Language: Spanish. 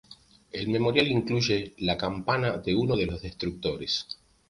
El memorial incluye la campana de uno de los destructores.